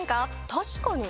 確かに。